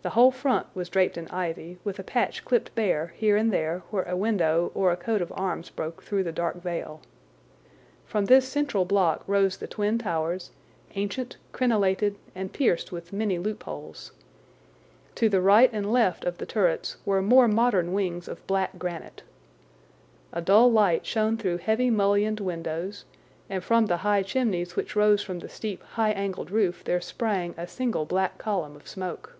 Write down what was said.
The whole front was draped in ivy, with a patch clipped bare here and there where a window or a coat of arms broke through the dark veil. From this central block rose the twin towers, ancient, crenelated, and pierced with many loopholes. To right and left of the turrets were more modern wings of black granite. A dull light shone through heavy mullioned windows, and from the high chimneys which rose from the steep, high angled roof there sprang a single black column of smoke.